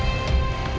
tadi kamu semanggil saya